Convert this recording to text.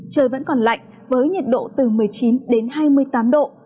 trời vẫn còn lạnh với nhiệt độ từ một mươi chín đến hai mươi tám độ